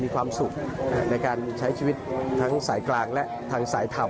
มีความสุขในการใช้ชีวิตทั้งสายกลางและทางสายธรรม